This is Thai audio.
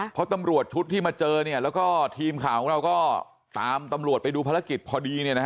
เพราะตำรวจชุดที่มาเจอแล้วก็ทีมข่าวของเราก็ตามตำรวจไปดูภารกิจพอดี